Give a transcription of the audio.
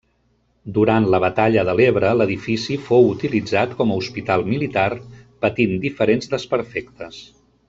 Durant la batalla de l'Ebre l'edifici fou utilitzat com a hospital militar, patint diferents desperfectes.